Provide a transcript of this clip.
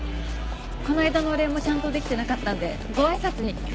この間のお礼もちゃんとできてなかったんでご挨拶に。